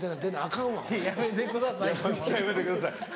ホントやめてください。